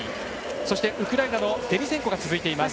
そしてウクライナのデニセンコ続いています。